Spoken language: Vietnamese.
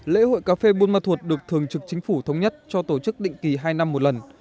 lễ hội cà phê buôn ma thuột được thường trực chính phủ thống nhất cho tổ chức định kỳ hai năm một lần